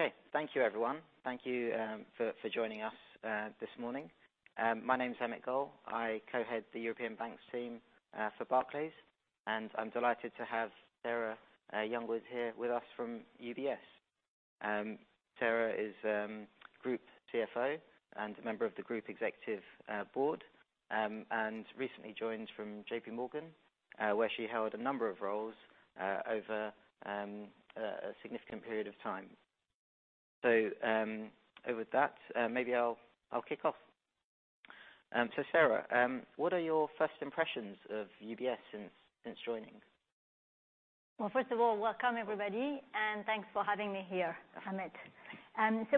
Okay. Thank you, everyone. Thank you for joining us this morning. My name's Amit Goel. I co-head the European Banks team for Barclays, and I'm delighted to have Sarah Youngwood here with us from UBS. Sarah is Group CFO and a member of the Group Executive Board, and recently joined from JPMorgan, where she held a number of roles over a significant period of time. With that, maybe I'll kick off. Sarah, what are your first impressions of UBS since joining? Well, first of all, welcome, everybody, and thanks for having me here, Amit.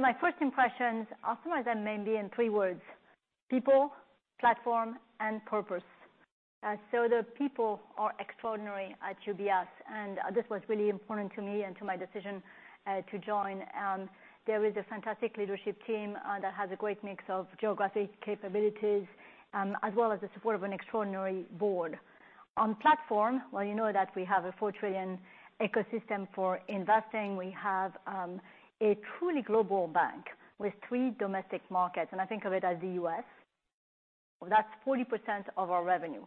My first impressions, I'll summarize them maybe in three words. People, Platform, and Purpose. The people are extraordinary at UBS, and this was really important to me and to my decision to join. There is a fantastic leadership team that has a great mix of geographic capabilities, as well as the support of an extraordinary board. On platform, well, you know that we have a $4 trillion ecosystem for investing. We have a truly global bank with three domestic markets, and I think of it as the U.S. That's 40% of our revenue.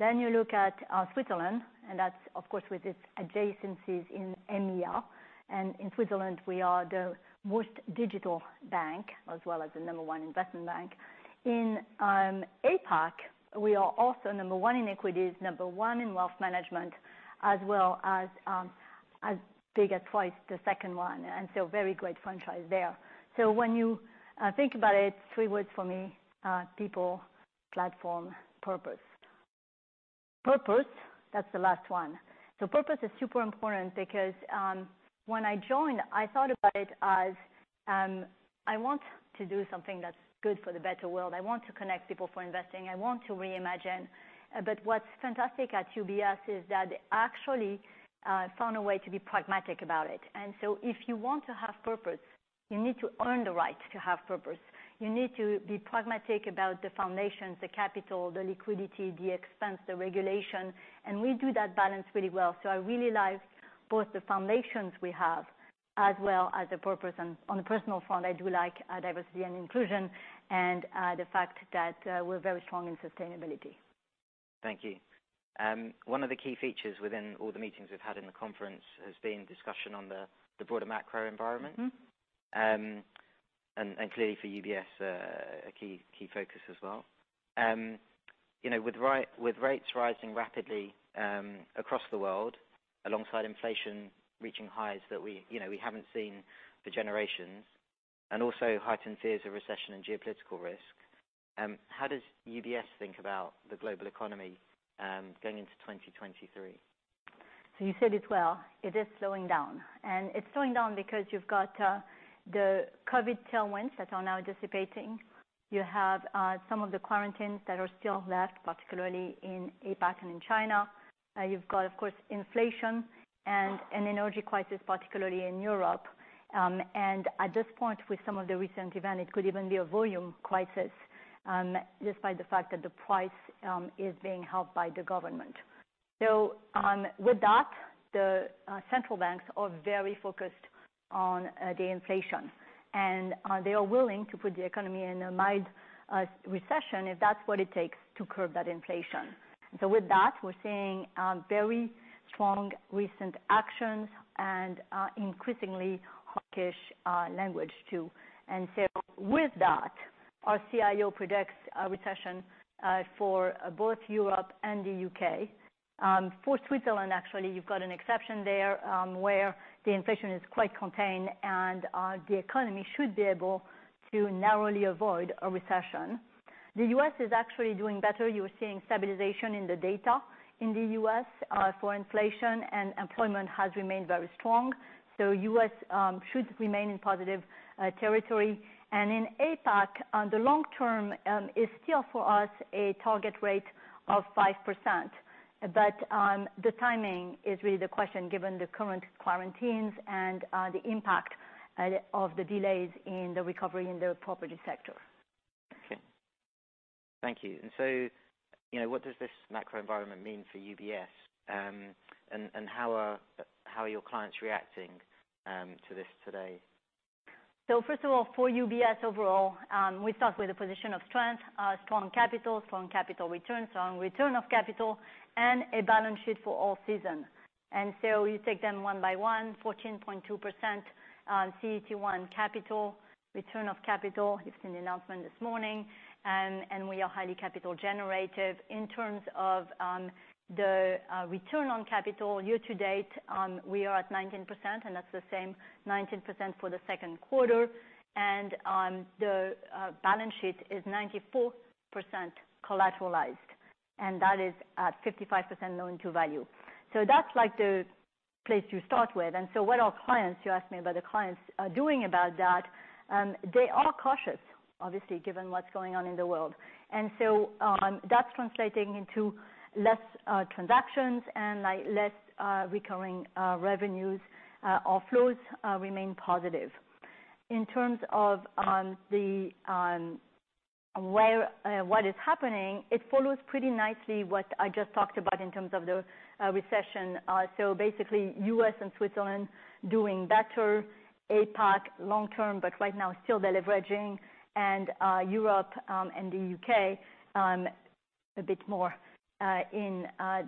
You look at Switzerland, and that's of course with its adjacencies in EMEA. In Switzerland, we are the most digital bank, as well as the number one investment bank. In APAC, we are also number one in equities, number one in wealth management, as well as big as twice the second one, and so very great franchise there. When you think about it, three words for me, people, platform, purpose. Purpose, that's the last one. Purpose is super important because, when I joined, I thought about it as, I want to do something that's good for the better world. I want to connect people for investing. I want to reimagine. What's fantastic at UBS is that actually found a way to be pragmatic about it. If you want to have purpose, you need to earn the right to have purpose. You need to be pragmatic about the foundations, the capital, the liquidity, the expense, the regulation, and we do that balance really well. I really like both the foundations we have, as well as the purpose. On a personal front, I do like diversity and inclusion and the fact that we're very strong in sustainability. Thank you. One of the key features within all the meetings we've had in the conference has been discussion on the broader macro environment. Mm-hmm. Clearly for UBS, a key focus as well. You know, with rates rising rapidly across the world, alongside inflation reaching highs that we, you know, we haven't seen for generations, and also heightened fears of recession and geopolitical risk, how does UBS think about the global economy going into 2023? You said it well, it is slowing down. It's slowing down because you've got the COVID tailwinds that are now dissipating. You have some of the quarantines that are still left, particularly in APAC and in China. You've got, of course, inflation and an energy crisis, particularly in Europe. At this point with some of the recent event, it could even be a volume crisis, despite the fact that the price is being held by the government. With that, the central banks are very focused on the inflation. They are willing to put the economy in a mild recession if that's what it takes to curb that inflation. With that, we're seeing very strong recent actions and increasingly hawkish language too. With that, our CIO predicts a recession for both Europe and the U.K. For Switzerland, actually, you've got an exception there, where the inflation is quite contained and the economy should be able to narrowly avoid a recession. The U.S. is actually doing better. You're seeing stabilization in the data in the U.S. for inflation, and employment has remained very strong. U.S. should remain in positive territory. In APAC, the long term is still for us a target rate of 5%. The timing is really the question given the current quarantines and the impact of the delays in the recovery in the property sector. Okay. Thank you. You know, what does this macro environment mean for UBS? And how are your clients reacting to this today? First of all, for UBS overall, we start with a position of strength, strong capital, strong capital returns, strong return of capital, and a balance sheet for all seasons. You take them one by one, 14.2% CET1 capital, return of capital. You've seen the announcement this morning. We are highly capital generative. In terms of the return on capital year to date, we are at 19%, and that's the same 19% for the second quarter. The balance sheet is 94% collateralized, and that is at 55% loan to value. That's like the place you start with. What are clients, you asked me about the clients, are doing about that, they are cautious, obviously, given what's going on in the world. That's translating into less transactions and like less recurring revenues. Our flows remain positive. In terms of what is happening, it follows pretty nicely what I just talked about in terms of the recession. Basically, U.S. and Switzerland doing better. APAC long term, but right now still deleveraging and Europe and the U.K a bit more in a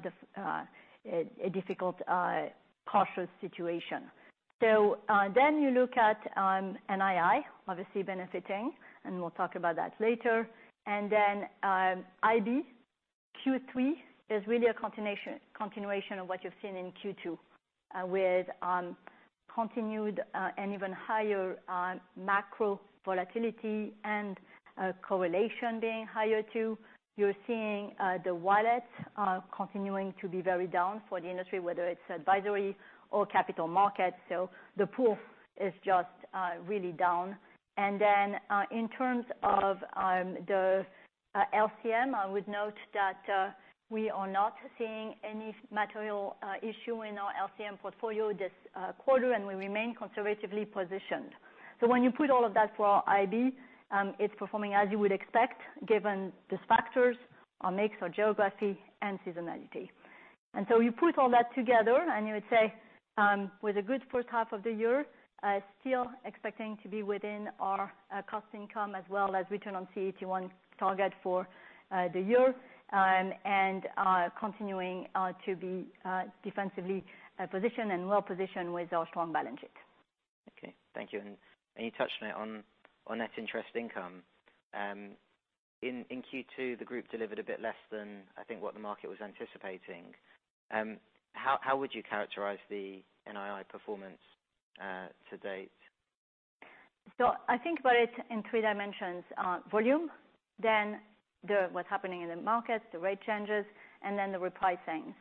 difficult partial situation. Then you look at NII obviously benefiting, and we'll talk about that later. IB Q3 is really a continuation of what you've seen in Q2 with continued and even higher macro volatility and correlation being higher too. You're seeing the wallet continuing to be very down for the industry, whether it's advisory or capital markets. The pool is just really down. In terms of the LCM, I would note that we are not seeing any material issue in our LCM portfolio this quarter, and we remain conservatively positioned. When you put all of that for IB, it's performing as you would expect given these factors our mix, our geography and seasonality. You put all that together and you would say, with a good first half of the year, still expecting to be within our cost income as well as return on CET1 target for the year, and continuing to be defensively positioned and well-positioned with our strong balance sheet. Okay. Thank you. You touched on it on net interest income. In Q2, the group delivered a bit less than I think what the market was anticipating. How would you characterize the NII performance to date? I think about it in three dimensions. Volume, then what's happening in the markets, the rate changes, and then the repricing.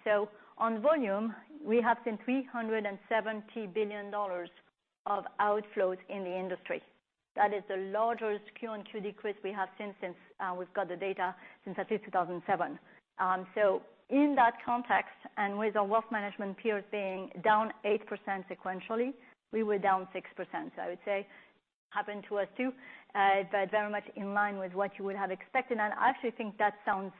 On volume we have seen $370 billion of outflows in the industry. That is the largest Q on Q decrease we have seen since we've got the data since I think 2007. In that context, and with our wealth management peers being down 8% sequentially, we were down 6%. I would say happened to us too, but very much in line with what you would have expected. I actually think that sounds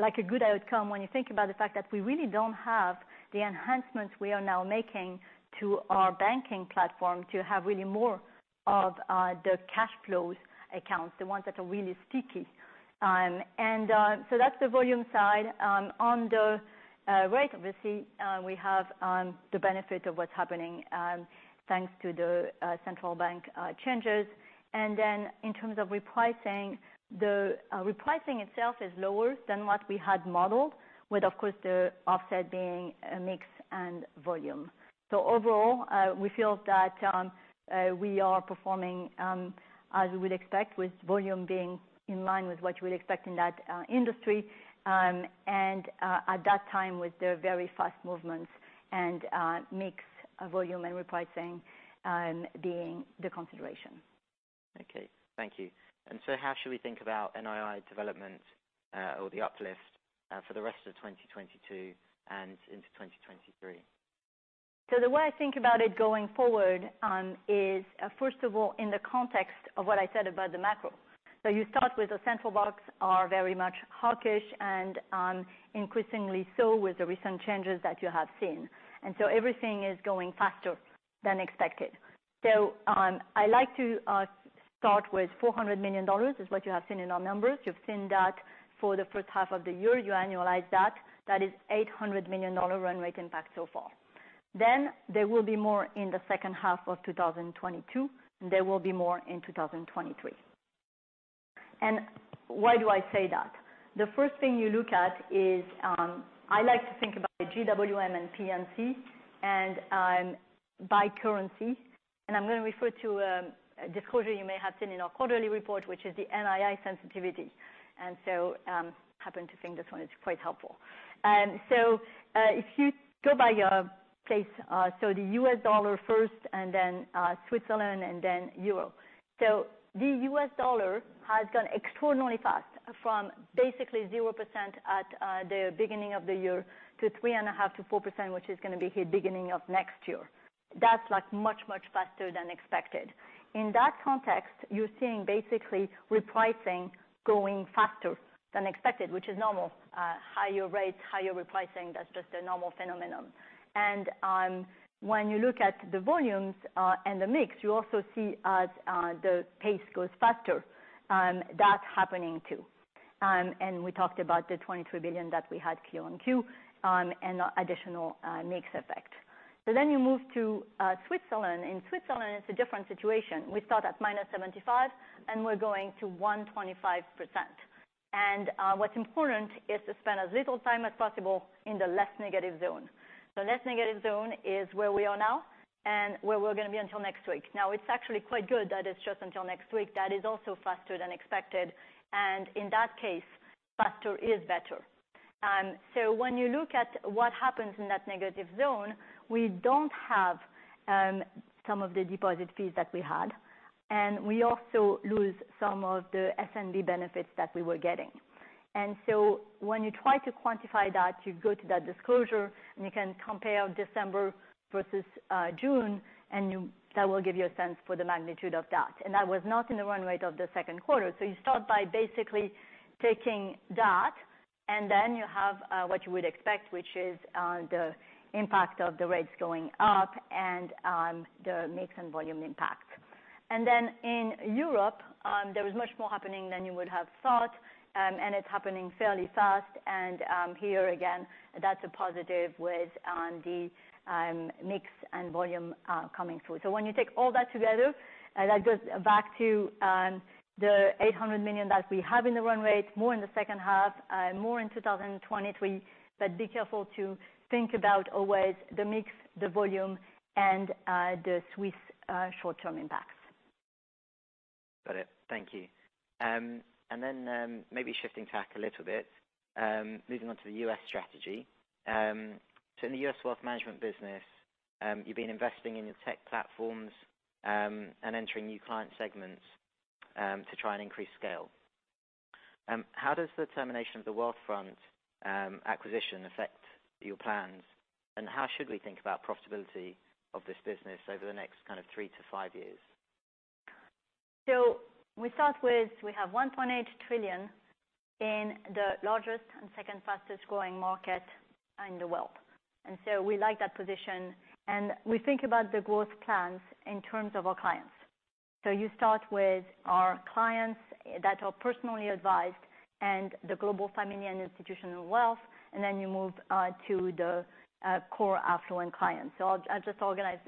like a good outcome when you think about the fact that we really don't have the enhancements we are now making to our banking platform to have really more of the cash flows accounts, the ones that are really sticky. So that's the volume side. On the rate, obviously, we have the benefit of what's happening thanks to the central bank changes. Then in terms of repricing, the repricing itself is lower than what we had modeled with of course, the offset being a mix and volume. So overall, we feel that we are performing as we would expect with volume being in line with what you would expect in that industry. At that time, with the very fast movements and mix volume and repricing being the consideration. Okay. Thank you. How should we think about NII development or the uplift for the rest of 2022 and into 2023? The way I think about it going forward is first of all, in the context of what I said about the macro. You start with the central banks are very much hawkish and increasingly so with the recent changes that you have seen. Everything is going faster than expected. I like to start with $400 million is what you have seen in our numbers. You've seen that for the first half of the year. You annualize that. That is $800 million run rate impact so far. There will be more in the second half of 2022, and there will be more in 2023. Why do I say that? The first thing you look at is I like to think about GWM and P&C and by currency. I'm going to refer to a disclosure you may have seen in our quarterly report, which is the NII sensitivity. I happen to think this one is quite helpful. If you go by place, the U.S. dollar first and then Switzerland and then euro. The U.S. dollar has gone extraordinarily fast from basically 0% at the beginning of the year to 3.5%-4%, which is going to be the beginning of next year. That's like much, much faster than expected. In that context, you're seeing basically repricing going faster than expected, which is normal, higher rates, higher repricing. That's just a normal phenomenon. When you look at the volumes and the mix, you also see as the pace goes faster, that's happening too. We talked about the $23 billion that we had Q on Q, and additional mix effect. You move to Switzerland. In Switzerland it's a different situation. We start at -75% and we're going to 125%. What's important is to spend as little time as possible in the less negative zone. Less negative zone is where we are now and where we're going to be until next week. Now it's actually quite good that it's just until next week. That is also faster than expected and in that case faster is better. When you look at what happens in that negative zone, we don't have some of the deposit fees that we had, and we also lose some of the SNB benefits that we were getting. When you try to quantify that, you go to that disclosure, and you can compare December versus June, and that will give you a sense for the magnitude of that. That was not in the run rate of the second quarter. You start by basically taking that, and then you have what you would expect, which is the impact of the rates going up and the mix and volume impact. Then in Europe there was much more happening than you would have thought, and it's happening fairly fast. Here again, that's a positive with the mix and volume coming through. When you take all that together, that goes back to the $800 million that we have in the run rate, more in the second half, more in 2023. Be careful to think about always the mix, the volume, and the Swiss short-term impacts. Got it. Thank you. Maybe shifting tack a little bit, moving on to the U.S. strategy. In the U.S. wealth management business, you've been investing in your tech platforms, and entering new client segments, to try and increase scale. How does the termination of the Wealthfront acquisition affect your plans, and how should we think about profitability of this business over the next kind of three to five years? We start with, we have $1.8 trillion in the largest and second fastest-growing market in the world. We like that position, and we think about the growth plans in terms of our clients. You start with our clients that are personally advised and the global family and institutional wealth, and then you move to the core affluent clients. I'll just organize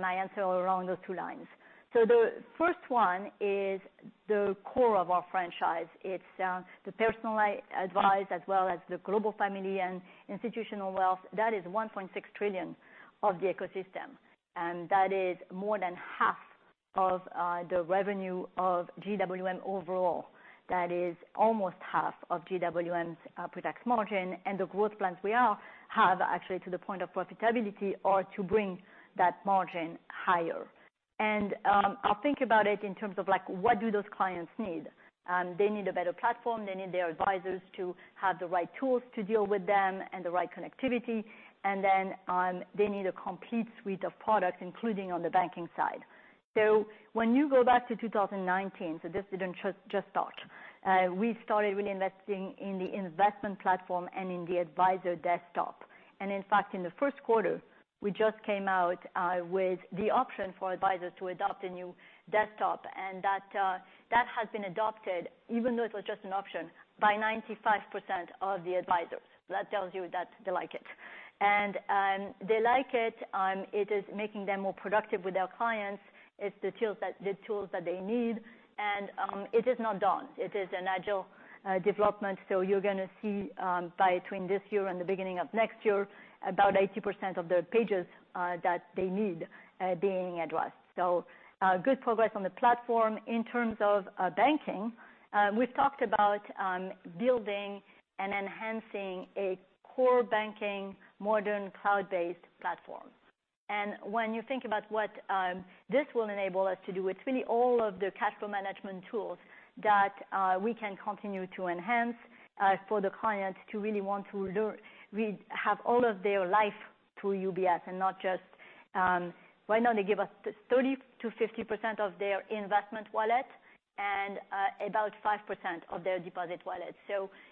my answer along those two lines. The first one is the core of our franchise. It's the personalized advice as well as the global family and institutional wealth. That is $1.6 trillion of the ecosystem, and that is more than half of the revenue of GWM overall. That is almost half of GWM's pretax margin. The growth plans we have actually to the point of profitability are to bring that margin higher. I'll think about it in terms of like, what do those clients need? They need a better platform. They need their advisors to have the right tools to deal with them and the right connectivity. They need a complete suite of products, including on the banking side. When you go back to 2019, so this didn't just start, we started really investing in the investment platform and in the advisor desktop. In fact, in the first quarter, we just came out with the option for advisors to adopt a new desktop. That has been adopted even though it was just an option by 95% of the advisors. That tells you that they like it. They like it. It is making them more productive with their clients. It's the tools that they need. It is not done. It is an agile development, so you're gonna see, between this year and the beginning of next year, about 80% of the pages that they need being addressed. Good progress on the platform. In terms of banking, we've talked about building and enhancing a core banking modern cloud-based platform. When you think about what this will enable us to do, it's really all of the cash flow management tools that we can continue to enhance for the clients to really want to learn. We have all of their life through UBS and not just... Right now, they give us 30-50% of their investment wallet and about 5% of their deposit wallet.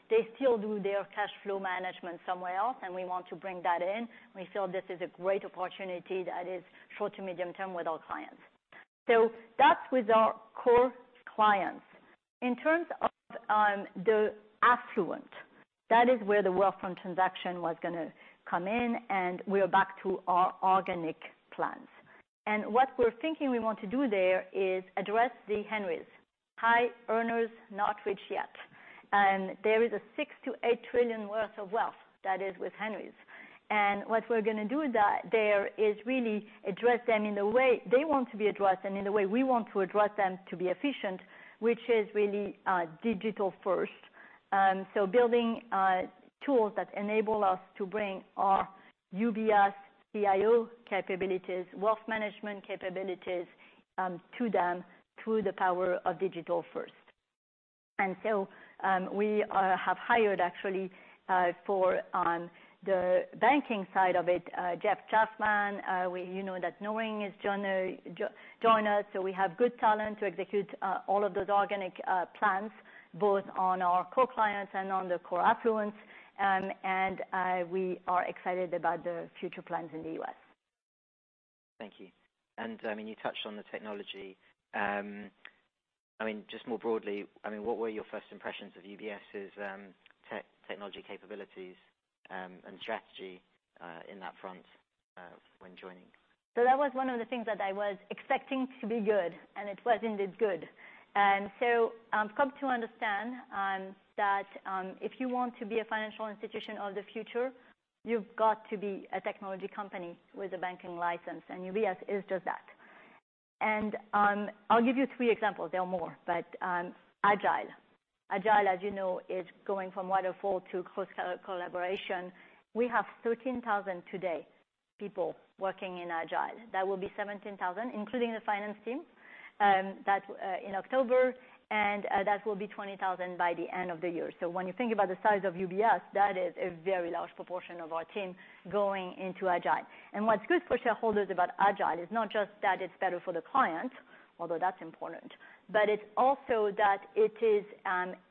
They still do their cash flow management somewhere else, and we want to bring that in. We feel this is a great opportunity that is short to medium term with our clients. That's with our core clients. In terms of the affluent, that is where the Wealthfront transaction was gonna come in, and we are back to our organic plans. What we're thinking we want to do there is address the HENRYs, high earners, not rich yet. There is $6-8 trillion worth of wealth that is with HENRYs. What we're gonna do there is really address them in the way they want to be addressed and in the way we want to address them to be efficient, which is really digital first. Building tools that enable us to bring our UBS CIO capabilities, wealth management capabilities, to them through the power of digital first. We have hired actually for the banking side of it, Jeff Chaffman. You know that Naureen has joined us. We have good talent to execute all of those organic plans both on our core clients and on the core affluents. We are excited about the future plans in the U.S. Thank you. I mean, you touched on the technology. I mean, just more broadly, I mean, what were your first impressions of UBS's technology capabilities, and strategy, in that front, when joining? That was one of the things that I was expecting to be good, and it was indeed good. Come to understand that if you want to be a financial institution of the future, you've got to be a technology company with a banking license, and UBS is just that. I'll give you three examples. There are more, but Agile. Agile, as you know, is going from waterfall to close collaboration. We have 13,000 people today working in Agile, that will be 17,000, including the finance team, in October, and that will be 20,000 by the end of the year. When you think about the size of UBS, that is a very large proportion of our team going into Agile. What's good for shareholders about Agile is not just that it's better for the client, although that's important, but it's also that it is,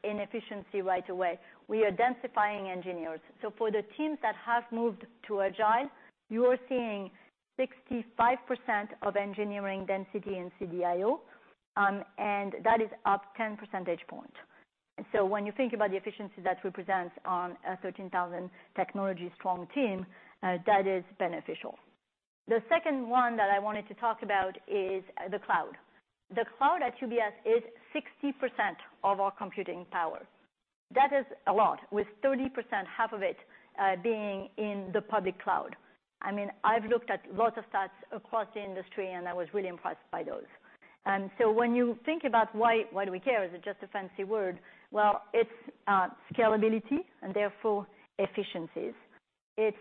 efficiency right away. We are densifying engineers. For the teams that have moved to Agile, you are seeing 65% of engineering density in CDIO, and that is up 10 percentage points. When you think about the efficiency that represents on a 13,000 technology-strong team, that is beneficial. The second one that I wanted to talk about is the cloud. The cloud at UBS is 60% of our computing power. That is a lot with 30%, half of it, being in the public cloud. I mean, I've looked at lots of stats across the industry, and I was really impressed by those. When you think about why do we care? Is it just a fancy word? Well, it's scalability and therefore efficiencies. It's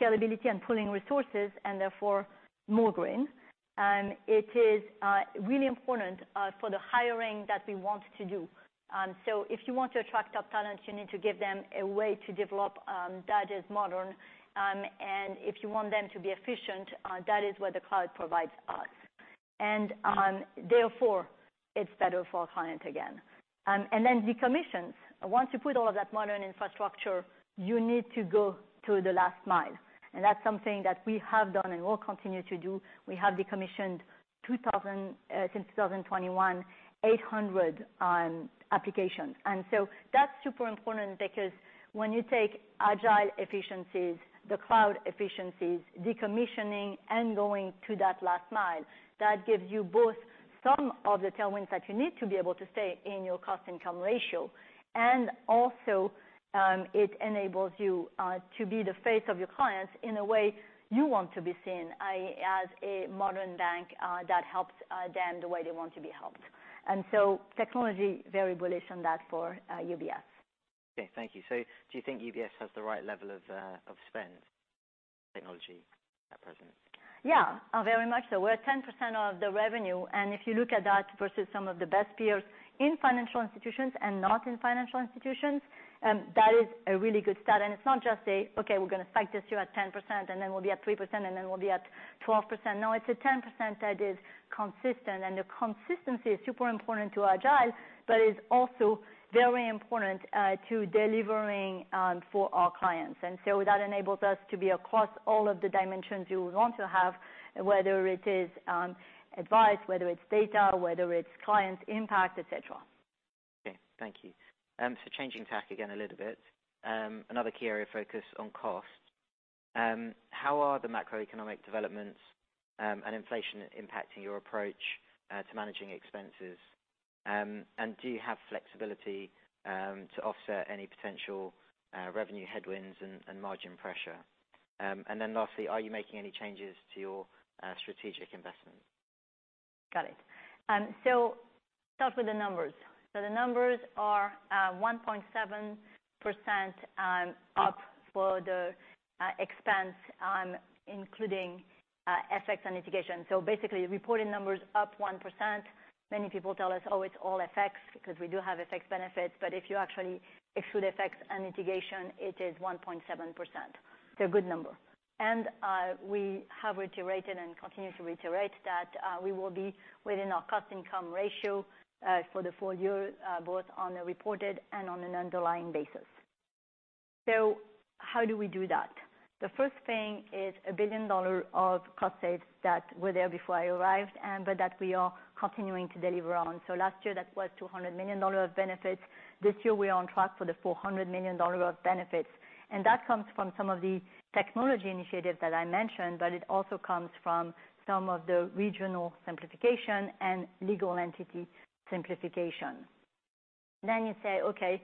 scalability and pooling resources and therefore more green. It is really important for the hiring that we want to do. If you want to attract top talent, you need to give them a way to develop that is modern. If you want them to be efficient, that is what the cloud provides us. Therefore it's better for our client again. Then the commissions. Once you put all of that modern infrastructure, you need to go to the last mile. That's something that we have done and will continue to do. We have decommissioned 2,000 since 2021, 800 applications. That's super important because when you take agile efficiencies, the cloud efficiencies, decommissioning and going to that last mile, that gives you both some of the tailwinds that you need to be able to stay in your cost income ratio. It enables you to be the face of your clients in a way you want to be seen, i.e., as a modern bank that helps them the way they want to be helped. Technology, very bullish on that for UBS. Okay, thank you. Do you think UBS has the right level of spend technology at present? Yeah, very much so. We're at 10% of the revenue, and if you look at that versus some of the best peers in financial institutions and not in financial institutions, that is a really good stat. It's not just a, "Okay, we're gonna spike this year at 10% and then we'll be at 3%, and then we'll be at 12%." No, it's a 10% that is consistent, and the consistency is super important to Agile, but it's also very important to delivering for our clients. That enables us to be across all of the dimensions you want to have, whether it is advice, whether it's data, whether it's client impact, et cetera. Okay, thank you. Changing tack again a little bit. Another key area of focus on cost. How are the macroeconomic developments and inflation impacting your approach at managing expenses? Do you have flexibility to offset any potential revenue headwinds and margin pressure? Lastly, are you making any changes to your strategic investment? Got it. Start with the numbers. The numbers are 1.7%, up for the expense, including FX effects and mitigation. Basically, reporting numbers up 1%. Many people tell us, "Oh, it's all FX effects," because we do have FX effects benefits, but if you actually exclude FX effects and mitigation, it is 1.7%. It's a good number. We have reiterated and continue to reiterate that we will be within our cost income ratio for the full year, both on a reported and on an underlying basis. How do we do that? The first thing is $1 billion of cost saves that were there before I arrived, but that we are continuing to deliver on. Last year that was $200 million of benefits. This year we are on track for the $400 million of benefits. That comes from some of the technology initiatives that I mentioned, but it also comes from some of the regional simplification and legal entity simplification. Then, you say, "Okay,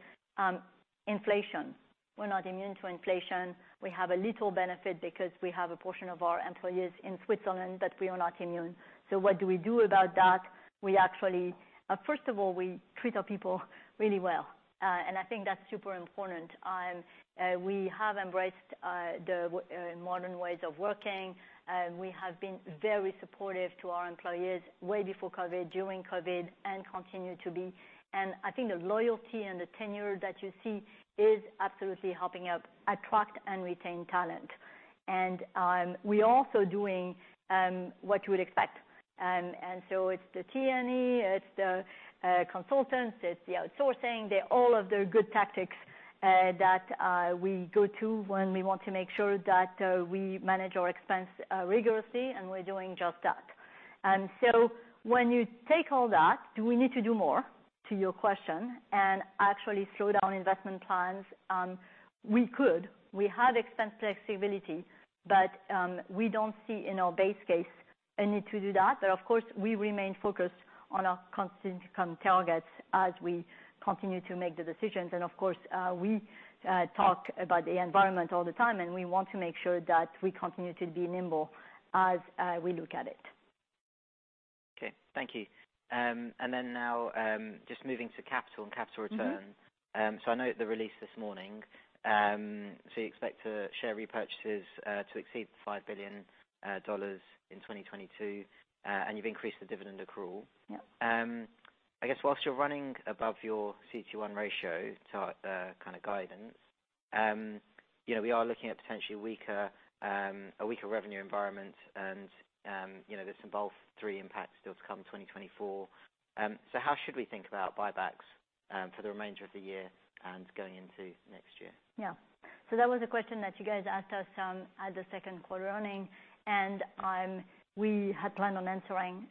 inflation." We're not immune to inflation. We have a little benefit because we have a portion of our employees in Switzerland, but we are not immune. What do we do about that? Actually, first of all, we treat our people really well. I think that's super important. We have embraced the modern ways of working, and we have been very supportive to our employees way before COVID, during COVID, and continue to be. I think the loyalty and the tenure that you see is absolutely helping us attract and retain talent. We're also doing what you would expect. It's the T&E, it's the consultants, it's the outsourcing. They're all of the good tactics that we go to when we want to make sure that we manage our expense rigorously, and we're doing just that. When you take all that, do we need to do more, to your question, and actually slow down investment plans? We could. We have expense flexibility, but we don't see in our base case a need to do that. Of course, we remain focused on our cost income targets as we continue to make the decisions. Of course, we talk about the environment all the time, and we want to make sure that we continue to be nimble as we look at it. Okay, thank you. Now, just moving to capital and capital returns. Mm-hmm. I know at the release this morning, you expect share repurchases to exceed $5 billion in 2022, and you've increased the dividend accrual. Yep. I guess while you're running above your CET1 ratio target kind of guidance, you know, we are looking at potentially a weaker revenue environment and, you know, there are three impacts still to come in 2024. How should we think about buybacks for the remainder of the year and going into next year? Yeah. That was a question that you guys asked us at the second quarter earnings. We had planned on answering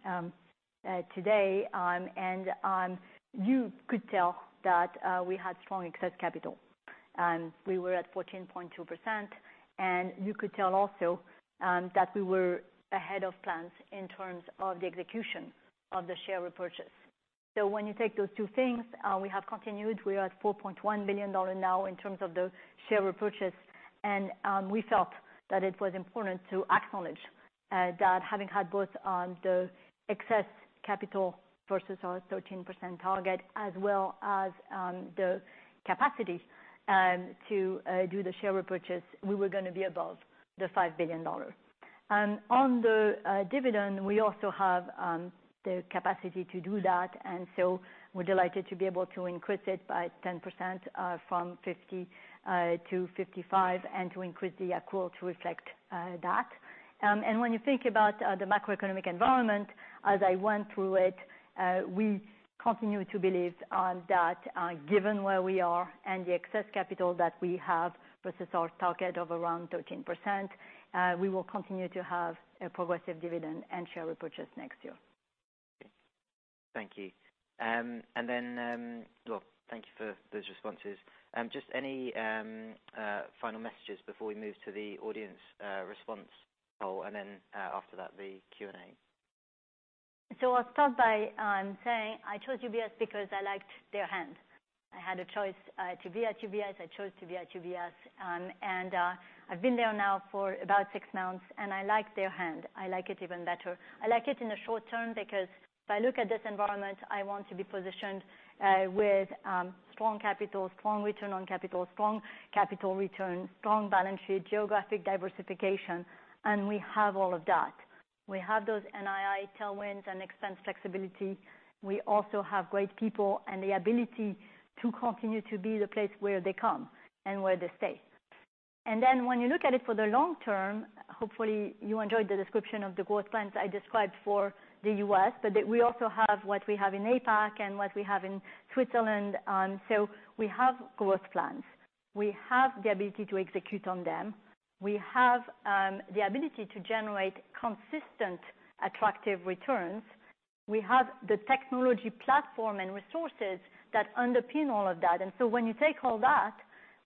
today. You could tell that we had strong excess capital, and we were at 14.2%, and you could tell also that we were ahead of plans in terms of the execution of the share repurchase. When you take those two things, we have continued. We are at $4.1 billion now in terms of the share repurchase. We felt that it was important to acknowledge that having had both the excess capital versus our 13% target as well as the capacity to do the share repurchase, we were gonna be above the $5 billion. On the dividend, we also have the capacity to do that, and so we're delighted to be able to increase it by 10%, from 50 to 55 and to increase the accrual to reflect that. When you think about the macroeconomic environment, as I went through it, we continue to believe that, given where we are and the excess capital that we have versus our target of around 13%, we will continue to have a progressive dividend and share repurchase next year. Thank you. Well, thank you for those responses. Just any final messages before we move to the audience response poll and then, after that, the Q&A. I'll start by saying I chose UBS because I liked their hands. I had a choice to be at UBS. I chose to be at UBS. I've been there now for about six months, and I like their hand. I like it even better. I like it in the short term because if I look at this environment, I want to be positioned with strong capital, strong return on capital, strong capital return, strong balance sheet, geographic diversification, and we have all of that. We have those NII tailwinds and expense flexibility. We also have great people and the ability to continue to be the place where they come and where they stay. When you look at it for the long term, hopefully you enjoyed the description of the growth plans I described for the U.S., but we also have what we have in APAC and what we have in Switzerland. We have growth plans. We have the ability to execute on them. We have the ability to generate consistent, attractive returns. We have the technology platform and resources that underpin all of that. When you take all that,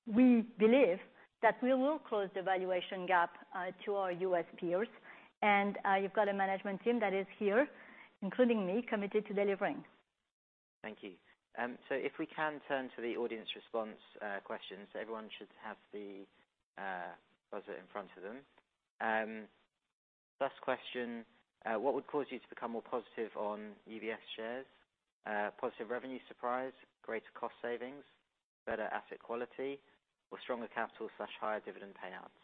we believe that we will close the valuation gap to our U.S. peers. You've got a management team that is here, including me, committed to delivering. Thank you. If we can turn to the audience response, questions, everyone should have the buzzer in front of them. First question, what would cause you to become more positive on UBS shares? Positive revenue surprise, greater cost savings, better asset quality, or stronger capital/higher dividend payouts?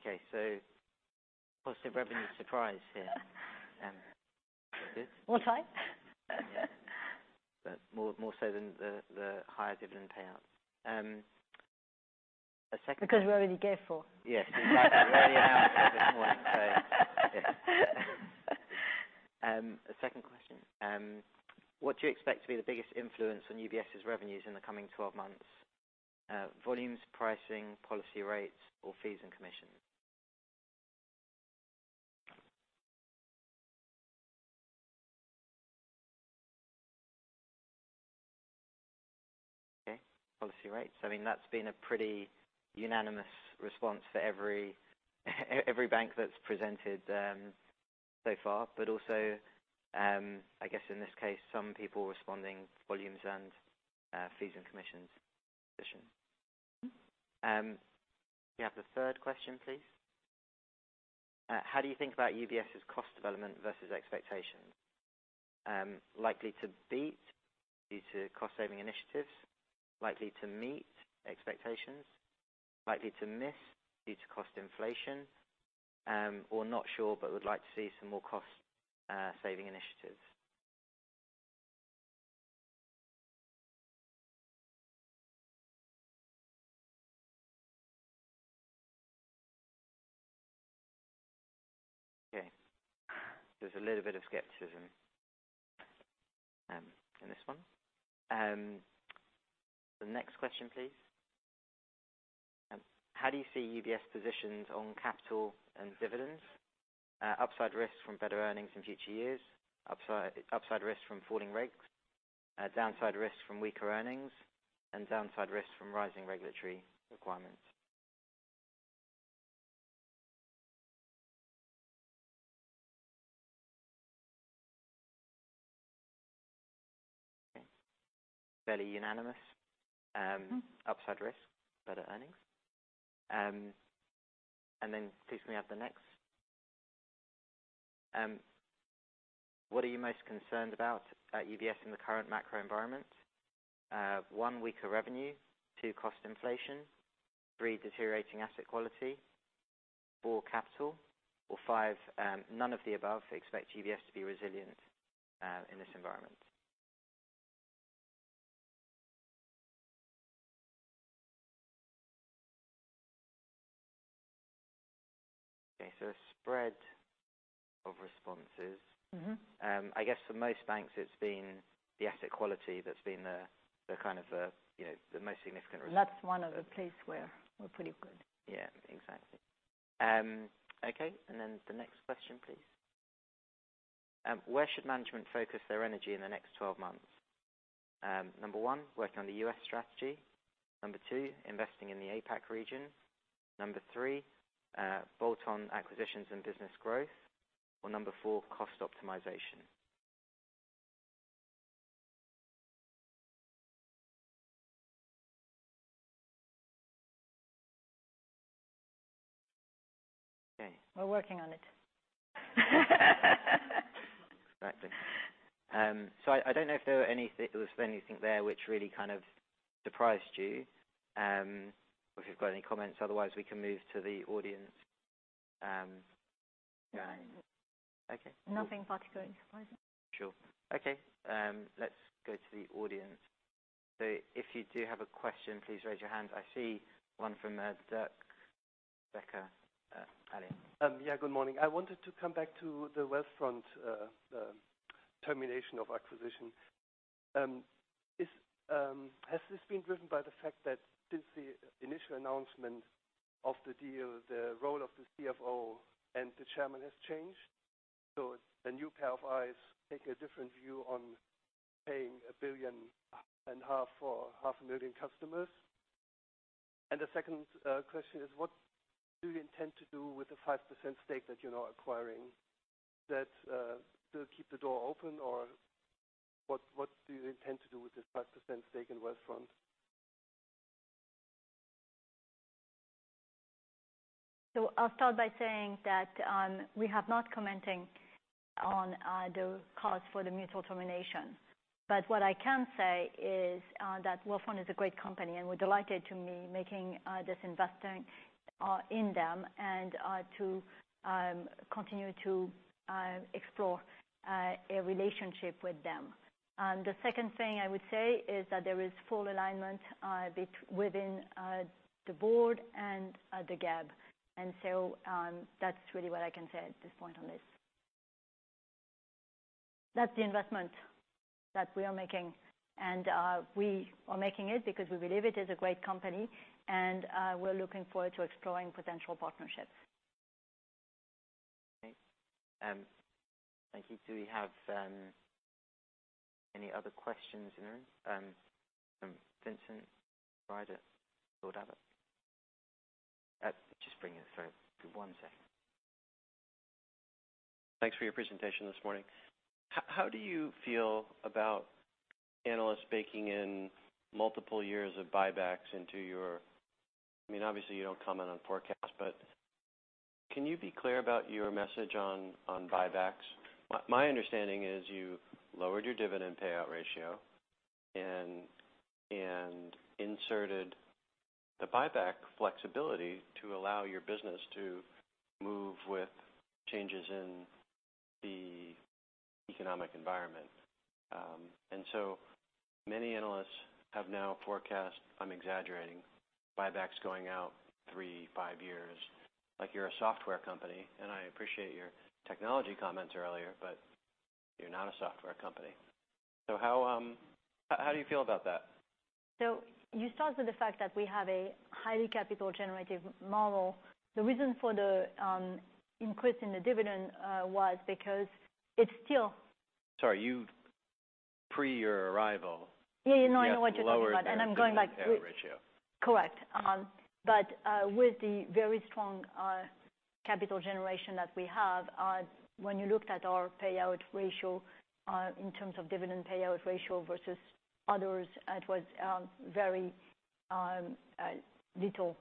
Okay. Positive revenue surprise here. We'll try. Yeah. More so than the higher dividend payout. Because we're already careful. Yes, exactly. You already announced it this morning. A second question. What do you expect to be the biggest influence on UBS's revenues in the coming 12 months? Volumes, pricing, policy rates, or fees and commissions? Okay. Policy rates. I mean, that's been a pretty unanimous response for every bank that's presented so far, but also, I guess in this case, some people responding volumes and fees and commissions position. We have the third question, please. How do you think about UBS's cost development versus expectations? Likely to beat due to cost-saving initiatives, likely to meet expectations, likely to miss due to cost inflation, or not sure, but would like to see some more cost-saving initiatives? Okay. There's a little bit of skepticism in this one. The next question, please. How do you see UBS positions on capital and dividends? Upside risks from better earnings in future years, upside risks from falling rates, downside risks from weaker earnings, and downside risks from rising regulatory requirements. Okay. Fairly unanimous. Mm-hmm Upside risk, better earnings. Please can we have the next. What are you most concerned about at UBS in the current macro environment? One, weaker revenue. Two, cost inflation. Three, deteriorating asset quality. Four, capital. Or five, none of the above. Expect UBS to be resilient in this environment. Okay. So a spread of responses. Mm-hmm. I guess for most banks it's been the asset quality that's been the kind of, you know, the most significant risk. That's one of the places where we're pretty good. Yeah, exactly. Okay, the next question, please. Where should management focus their energy in the next 12 months? Number 1, working on the U.S. strategy. Number 2, investing in the APAC region. Number 3, bolt-on acquisitions and business growth. Or number 4, cost optimization. Okay. We're working on it. Exactly. I don't know if there's anything there which really kind of surprised you, or if you've got any comments. Otherwise we can move to the audience. No. Okay. Nothing particularly surprising. Sure. Okay, let's go to the audience. If you do have a question, please raise your hand. I see one from [Dirk Becker]. Hi Dirk. Yeah, good morning. I wanted to come back to the Wealthfront termination of acquisition. Has this been driven by the fact that since the initial announcement of the deal, the role of the CFO and the chairman has changed? Does the new pair of eyes take a different view on paying $1.5 billion for 500,000 customers? The second question is, what do you intend to do with the 5% stake that you're now acquiring? Do you keep the door open or what do you intend to do with this 5% stake in Wealthfront? I'll start by saying that we're not commenting on the cause for the mutual termination. What I can say is that Wealthfront is a great company, and we're delighted to be making this investment in them and to continue to explore a relationship with them. The second thing I would say is that there is full alignment between the board and the GEB. That's really what I can say at this point on this. That's the investment that we are making, and we are making it because we believe it is a great company and we're looking forward to exploring potential partnerships. Okay. Thank you. Do we have any other questions in the room? From [Vincent Ryder] or [Daniel]? Just bring you through one second. Thanks for your presentation this morning. How do you feel about analysts baking in multiple years of buybacks into your. I mean, obviously you don't comment on forecasts, but can you be clear about your message on buybacks? My understanding is you lowered your dividend payout ratio and inserted the buyback flexibility to allow your business to move with changes in the economic environment. Many analysts have now forecast, I'm exaggerating, buybacks going out three, five years. Like you're a software company, and I appreciate your technology comments earlier, but you're not a software company. How do you feel about that? You start with the fact that we have a highly capital generative model. The reason for the increase in the dividend was because it's still- Sorry, you've pre your arrival. Yeah, no, I know what you're talking about. You guys lowered your dividend payout ratio. I'm going back. Correct. Mm-hmm. With the very strong capital generation that we have, when you looked at our payout ratio, in terms of dividend payout ratio versus others, it was very little.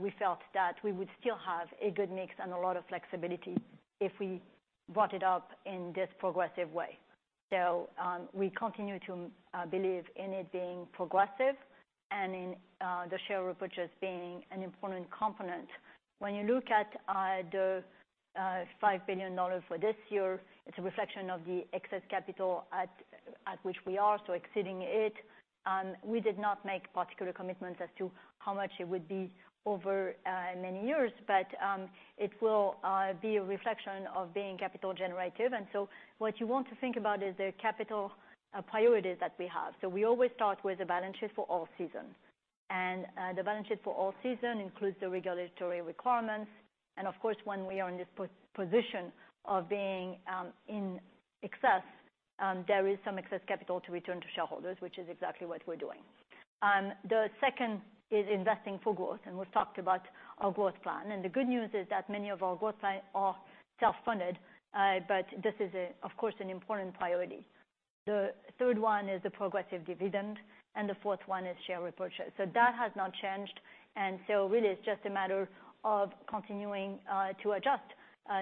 We felt that we would still have a good mix and a lot of flexibility if we brought it up in this progressive way. We continue to believe in it being progressive and in the share repurchase being an important component. When you look at the $5 billion for this year, it's a reflection of the excess capital at which we are, so exceeding it. We did not make particular commitments as to how much it would be over many years, it will be a reflection of being capital generative. What you want to think about is the capital priorities that we have. We always start with a balance sheet for all seasons. The balance sheet for all seasons includes the regulatory requirements. Of course, when we are in this position of being in excess, there is some excess capital to return to shareholders, which is exactly what we're doing. The second is investing for growth, and we've talked about our growth plan. The good news is that many of our growth plan are self-funded, but this is, of course, an important priority. The third one is the progressive dividend, and the fourth one is share repurchase. That has not changed, and so really it's just a matter of continuing to adjust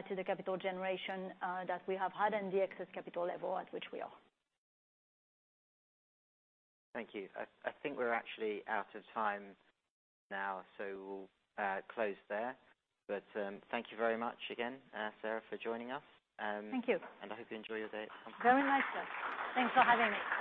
to the capital generation that we have had and the excess capital level at which we are. Thank you. I think we're actually out of time now, so we'll close there. Thank you very much again, Sarah, for joining us. Thank you. I hope you enjoy your day at conference. Very much so. Thanks for having me.